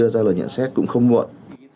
và nhận xét cũng không muộn